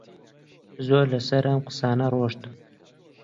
زۆر لەسەر ئەم قسانە ڕۆیشتم